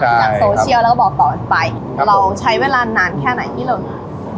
จากโซเชียลแล้วก็บอกต่อไปเราใช้เวลานานแค่ไหนที่เรา